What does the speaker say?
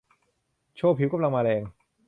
โชว์ผิวกำลังมาแรง